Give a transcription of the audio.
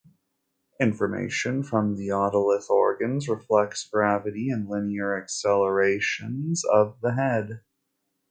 Information from the otolith organs reflects gravity and linear accelerations of the head.